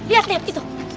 lihat lihat itu